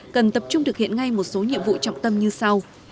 cần tập trung thực hiện ngay một số nhiệm vụ trọng tâm như sau